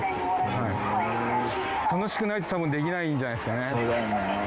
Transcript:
楽しくないと多分できないんじゃないですかね。